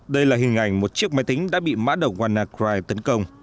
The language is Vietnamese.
đây là hình ảnh một chiếc máy tính đã bị mã độc warner crye tấn công